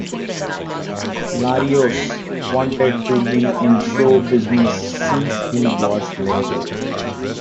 Larios wanted to be in show business since he was little.